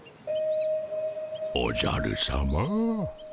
おじゃるさま。